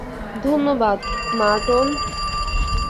ধন্যবাদ, মার্টন।